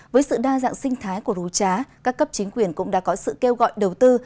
với sự đa dạng sinh thái của rú trá các cấp chính quyền cũng đã có sự kêu gọi đầu tư